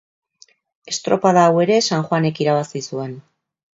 Estropada hau ere San Juanek irabazi zuen.